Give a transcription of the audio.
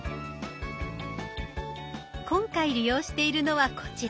今回利用しているのはこちら。